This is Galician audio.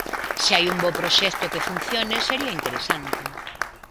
Se hai un bo proxecto que funcione, sería interesante.